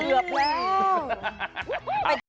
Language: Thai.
เกือบแล้ว